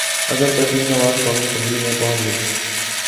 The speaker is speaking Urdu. اگر کلثوم نواز قومی اسمبلی میں پہنچ گئیں۔